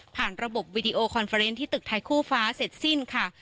ระบบวิดีโอคอนเฟอร์เนนที่ตึกไทยคู่ฟ้าเสร็จสิ้นค่ะ